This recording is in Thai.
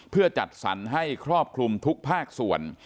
เพื่อจัดสรรให้ครอบคลุมทุกภาคส่วน